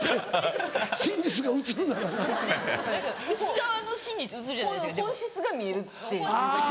本質が見えるっていう。